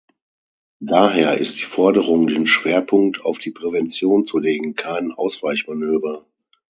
Daher ist die Forderung, den Schwerpunkt auf die Prävention zu legen, kein Ausweichmanöver.